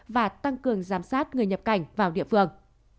và tăng cường giám sát người nhập cảnh vào địa phương